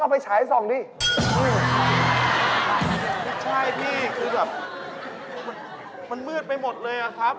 คุณพี่น่ะมันไว้นะ